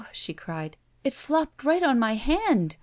she cried. It flopped right on my hand.